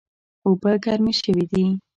اوبه ګرمې شوې دي